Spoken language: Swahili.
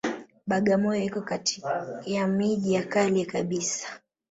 Bagamoyo iko kati ya miji ya kale kabisa